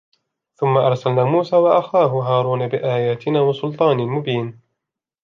ثُمَّ أَرْسَلْنَا مُوسَى وَأَخَاهُ هَارُونَ بِآيَاتِنَا وَسُلْطَانٍ مُبِينٍ